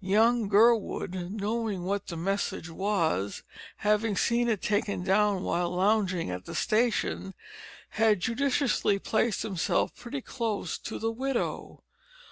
Young Gurwood, knowing what the message was, having seen it taken down while lounging at the station, had judiciously placed himself pretty close to the widow.